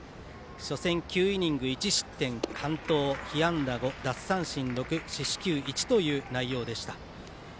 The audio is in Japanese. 初戦９イニング１失点完投、被安打５奪三振６四死球１という内容でした。